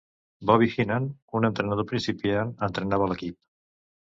Bobby Heenan, un entrenador principiant, entrenava l'equip.